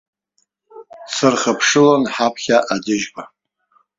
Сырхыԥшылон ҳаԥхьа аӡыжьқәа.